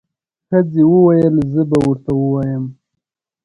ښځې وويل زه به ورته ووایم.